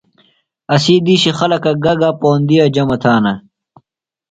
اسی دیشی خلکہ گہ گہ پوندِیہ جمع تھانہ؟